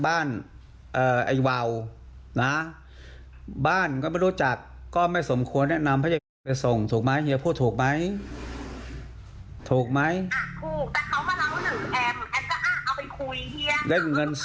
วัวเนี่ยคือหนูอ่ะหนูเอาชื่อมาเนี่ยมันก็เป็นชื่อเป็นชื่อเขาเรียกบัญชีม้าเช่นกัน